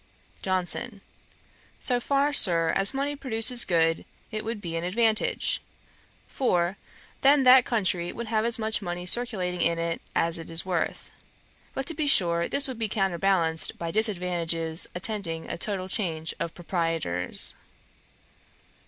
JOHNSON. 'So far, Sir, as money produces good, it would be an advantage; for, then that country would have as much money circulating in it as it is worth. But to be sure this would be counterbalanced by disadvantages attending a total change of proprietors.'